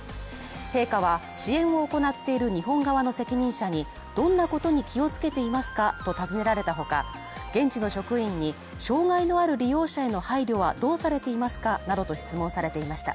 陛下は、支援を行っている日本側の責任者にどんなことに気をつけていますかと尋ねられたほか、現地の職員に、障害のある利用者への配慮はどうされていますかなどと質問されていました。